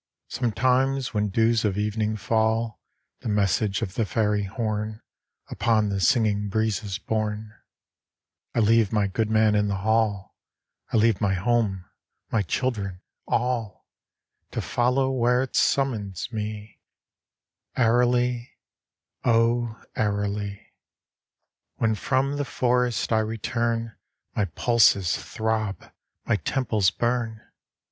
hi. Sometimes, when dews of evening fall, The message of the fairy horn Upon the singing breeze is borne : I leave my good man in the hall, I leave my home, my children, all, To follow where it summons me, Airily, O airily. iv. When from the forest I return, My pulses throb, my temples burn.